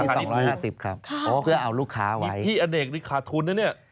เพื่อเอาลูกค้าไว้พี่อเนกนี่ขาดทุนนะเนี่ย